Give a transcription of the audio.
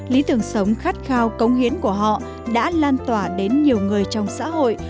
lý tưởng sống khát khao cống hiến của họ đã lan tỏa đến nhiều người trong xã hội